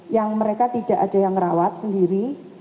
yang mereka tidak ada yang merawat sendiri